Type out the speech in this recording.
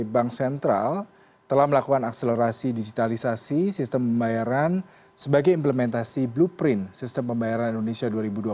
bank sentral telah melakukan akselerasi digitalisasi sistem pembayaran sebagai implementasi blueprint sistem pembayaran indonesia dua ribu dua puluh